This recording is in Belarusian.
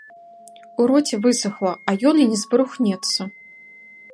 У роце высахла, а ён і не зварухнецца.